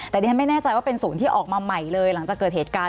แต่ดิฉันไม่แน่ใจว่าเป็นศูนย์ที่ออกมาใหม่เลยหลังจากเกิดเหตุการณ์